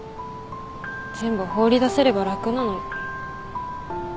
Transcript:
全部放り出せれば楽なのに。